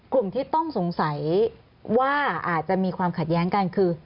กลุ่มที่ต้องสงสัยว่าอาจจะมีความขัดแย้งกันคือ